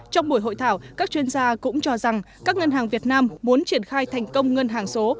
trong buổi hội thảo các chuyên gia cũng cho rằng các ngân hàng việt nam muốn triển khai thành công ngân hàng số